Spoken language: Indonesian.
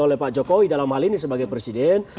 oleh pak jokowi dalam hal ini sebagai presiden